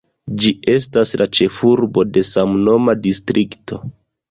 Ĝi estas la ĉefurbo de samnoma distrikto.